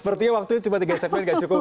sepertinya waktunya cuma tiga segmen gak cukup